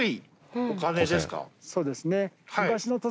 そうですね。